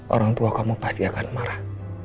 orang tua kamu pasti akan marah